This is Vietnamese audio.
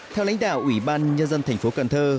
theo lãnh đạo ủy ban nhân dân thành phố cần thơ